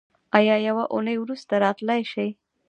ایا یوه اونۍ وروسته راتلی شئ؟